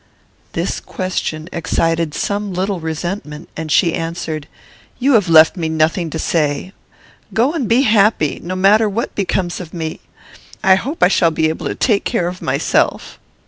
This question excited some little resentment, and she answered, "You have left me nothing to say. Go, and be happy; no matter what becomes of me. I hope I shall be able to take care of myself."